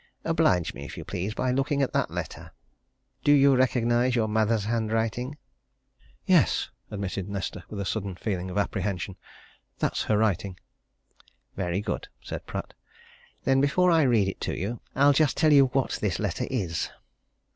Oblige me, if you please, by looking at that letter. Do you recognize your mother's handwriting?" "Yes!" admitted Nesta, with a sudden feeling of apprehension. "That is her writing." "Very good," said Pratt. "Then before I read it to you, I'll just tell you what this letter is.